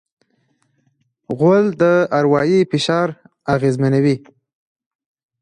غول د اروایي فشار اغېزمنوي.